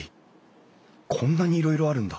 こんなにいろいろあるんだ！